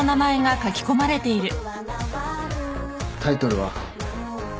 タイトルは？